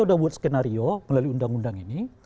sudah buat skenario melalui undang undang ini